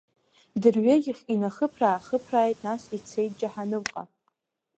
Дырҩегьх инахыԥраа-аахыԥрааит, нас ицеит џьаҳанымҟа…